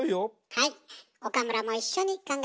はい！